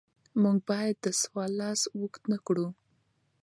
موږ باید د سوال لاس اوږد نکړو.